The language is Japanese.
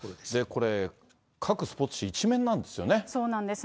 これ、各スポーツ紙、そうなんです。